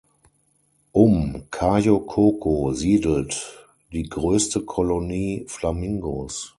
Um Cayo Coco siedelt die größte Kolonie Flamingos.